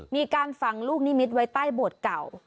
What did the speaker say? มีการฝังลูกนิมิตไว้ใต้โบสถ์เก่า